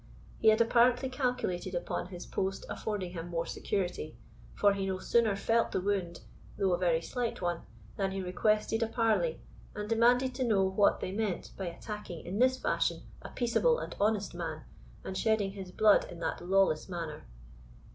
He had apparently calculated upon his post affording him more security, for he no sooner felt the wound, though a very slight one, than he requested a parley, and demanded to know what they meant by attacking in this fashion a peaceable and honest man, and shedding his blood in that lawless manner?